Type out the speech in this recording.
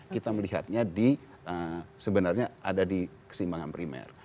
kita melihatnya di sebenarnya ada di kesimbangan primer